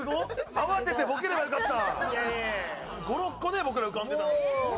慌ててボケればよかった！